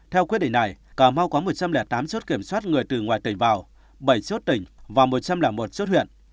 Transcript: theo quyết định này cà mau có một trăm linh tám chốt kiểm soát người từ ngoài tỉnh vào bảy chốt tỉnh và một trăm linh một chốt huyện